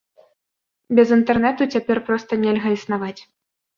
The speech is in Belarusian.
Без інтэрнэту цяпер проста нельга існаваць.